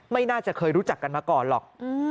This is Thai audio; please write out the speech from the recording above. ไม่น่าจะเคยรู้จักกันมาก่อนหรอก